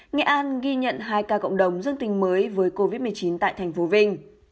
nghệ an ghi nhận hai ca cộng đồng dương tình mới với covid một mươi chín tại tp vinh